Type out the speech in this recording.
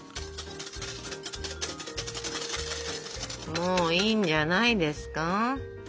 もういいんじゃないですか？